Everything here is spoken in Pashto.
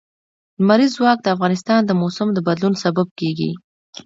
لمریز ځواک د افغانستان د موسم د بدلون سبب کېږي.